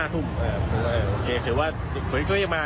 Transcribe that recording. โอเคถือว่าเขาอีกก็ยังมา